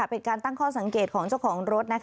เป็นการตั้งข้อสังเกตของเจ้าของรถ